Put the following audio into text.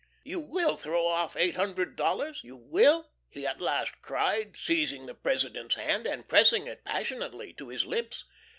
"You WILL throw off eight hundred dollars you WILL?" he at last cried, seizing the President's hand and pressing it passionately to his lips.